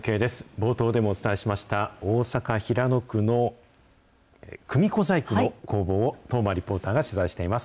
冒頭でもお伝えしました、大阪・平野区の組子細工の工房を、當麻リポーターが取材しています。